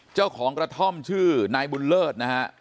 เจ้าของกระท่อมชื่อนายบุญเลิศนะฮะ